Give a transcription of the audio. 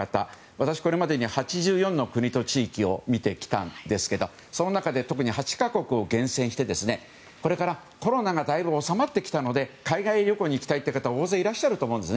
私はこれまでに８４の国と地域を見てきたんですけどその中で、特に８か国を厳選してこれからコロナがだいぶ収まってきたので海外旅行に行きたいという方大勢いらっしゃると思うんです。